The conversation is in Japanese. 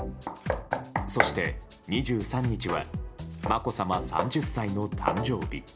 そして２３日はまこさま３０歳の誕生日。